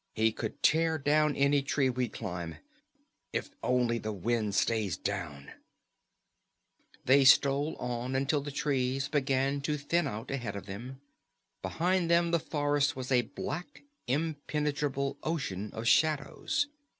He could tear down any tree we'd climb. If only the wind stays down " They stole on until the trees began to thin out ahead of them. Behind them the forest was a black impenetrable ocean of shadows.